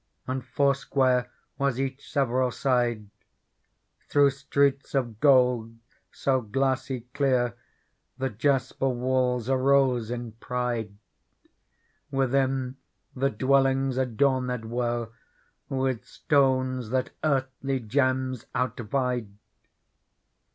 And foursquare was each several side ; Through streets of gold so glassy clear The jasper walls arose in pride: Within, the dwellirigsacTorned were With stones that earthly gems outvied.